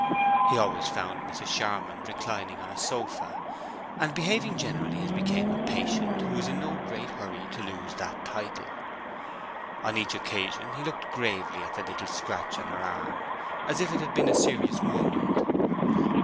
He always found Mrs. Charmond reclining on a sofa, and behaving generally as became a patient who was in no great hurry to lose that title. On each occasion he looked gravely at the little scratch on her arm, as if it had been a serious wound.